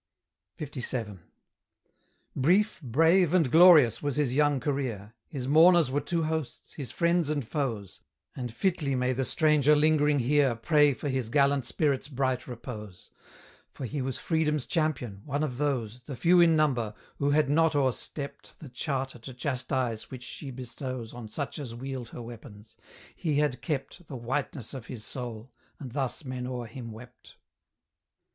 LVI. Brief, brave, and glorious was his young career, His mourners were two hosts, his friends and foes; And fitly may the stranger lingering here Pray for his gallant spirit's bright repose; For he was Freedom's champion, one of those, The few in number, who had not o'erstept The charter to chastise which she bestows On such as wield her weapons; he had kept The whiteness of his soul, and thus men o'er him wept.